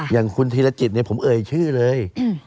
อย่างคุณธีรจิตเนี่ยผมเอ่ยชื่อเลย